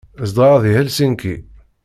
Zedɣeɣ deg Helsinki.